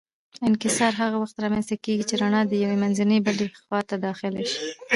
انکسار هغه وخت رامنځته کېږي چې رڼا له یوې منځنۍ بلې ته داخله شي.